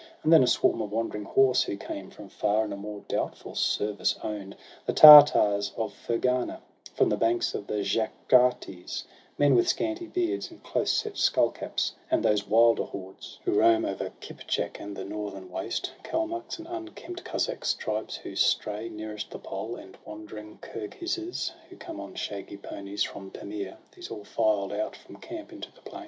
And then a swarm of wandering horse, who came From far, and a more doubtful service own'd; The Tartars of Ferghana, from the banks Of the Jaxartes, men with scanty beards And close set skull caps; and those wilder hordes Who roam o'er Kipchak and the northern waste, Kalmucks and unkempt Kuzzaks, tribes who stray Nearest the Pole, and wandering Kirghizzes, Who come on shaggy ponies from Pamere SOHRAB AND RUSTUM, 89 These all filed out from camp into the plain.